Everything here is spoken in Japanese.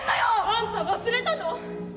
「あんた忘れたの？